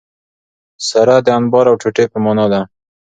سره د انبار او ټوټي په مانا ده.